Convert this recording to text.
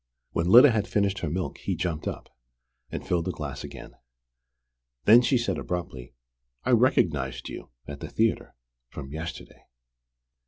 When Lyda had finished her milk he jumped up, and filled the glass again. Then she said abruptly: "I recognized you, at the theatre from yesterday.